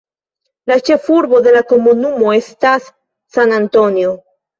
La ĉefurbo de la komunumo estas San Antonio.